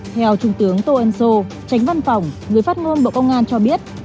theo trung tướng tô ân sô tránh văn phòng người phát ngôn bộ công an cho biết